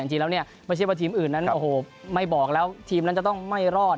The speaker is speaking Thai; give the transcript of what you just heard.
หรอกฉะนั้นไม่บอกแล้วทีมนั้นจะต้องไม่รอด